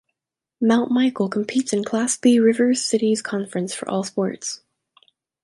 Mount Michael competes in Class B Rivers Cities Conference for all sports.